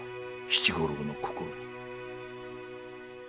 七五郎の心に。